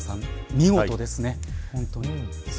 見事です。